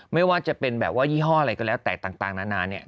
ไม่ว่าจะเป็นแบบว่ายี่ห้ออะไรก็แล้วแต่ต่างนานาเนี่ย